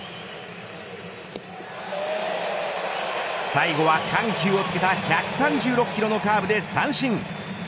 最後は緩急をつけた１３６キロのカーブで三振。